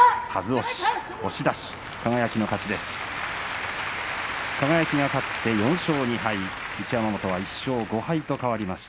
押し出し、輝の勝ちです。